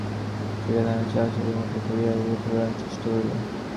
চিঠিখানাকে সে আশারই চিঠি মনে করিয়া পড়িবার অনেক চেষ্টা করিল।